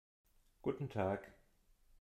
Guten Tag.